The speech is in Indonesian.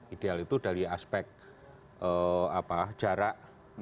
ideal itu dari aspek jarak